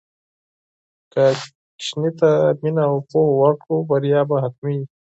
که ماشوم ته مینه او پوهه ورکړو، بریا به حتمي وي.